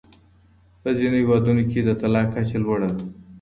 په ځینو هېوادونو کې د طلاق کچه لوړه ده.